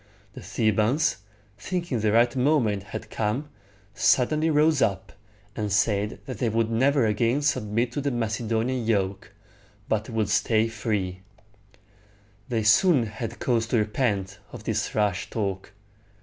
The Thebans, thinking the right moment had come, suddenly rose up, and said that they would never again submit to the Macedonian yoke, but would stay free. They soon had cause to repent of this rash talk.